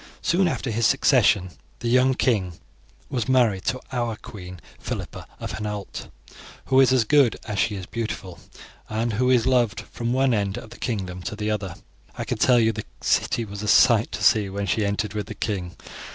Soon after his succession the young king was married to our queen, Philippa of Hainault, who is as good as she is beautiful, and who is loved from one end of the kingdom to the other. I can tell you, the city was a sight to see when she entered with the king.